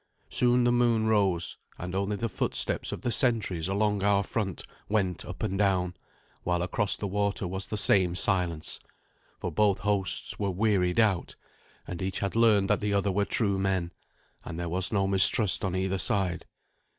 Soon the moon rose, and only the footsteps of the sentries along our front went up and down, while across the water was the same silence; for both hosts were wearied out, and each had learned that the other were true men, and there was no mistrust on either side.